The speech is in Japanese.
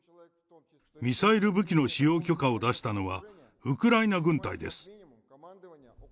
ミサイル武器の使用許可を出したのはウクライナ軍隊です。